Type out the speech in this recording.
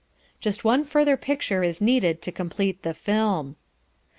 Just one further picture is needed to complete the film.